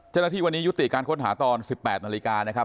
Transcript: เจ้าหน้าที่วันนี้ยุติการค้นหาตอน๑๘นาฬิกานะครับ